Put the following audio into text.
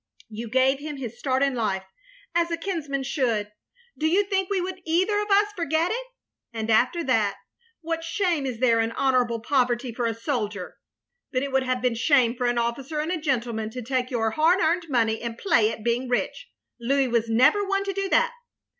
"You gave him his start in life, as a kinsman should — OF GROSVENOR SQUARE 309 do you think we would either of us forget it? — and after that — ^what shame is there in honourable poverty for a soldier? But it would have been shame for an officer and a gentleman to take your hard earned money and play at being rich. Louis was never one to do that.